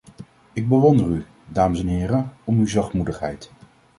Ik bewonder u, dames en heren, om uw zachtmoedigheid.